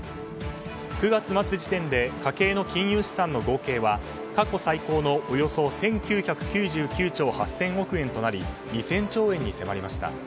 ９月末時点で家計の金融資産の合計は過去最高のおよそ１９９９兆８０００億円となり２０００兆円に迫りました。